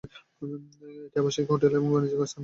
এটি আবাসিক, হোটেল এবং বাণিজ্যিক স্থান নিয়ে গঠিত হবে।